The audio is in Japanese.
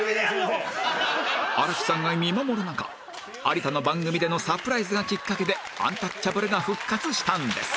新木さんが見守る中有田の番組でのサプライズがきっかけでアンタッチャブルが復活したんです